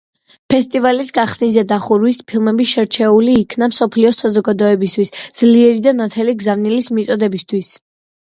ფესტივალის გახსნის და დახურვის ფილმები შერჩეული იქნა მსოფლიო საზოგადოებისთვის ძლიერი და ნათელი გზავნილის მიწოდებისთვის.